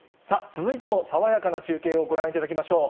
続いても爽やかな中継をご覧いただきましょう。